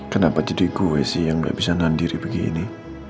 kenapa jadi gue sih yang gak bisa nandiri begini